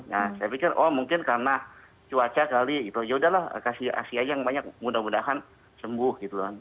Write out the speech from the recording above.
nah saya pikir oh mungkin karena cuaca kali ya udahlah kasih asia yang banyak mudah mudahan sembuh gitu loh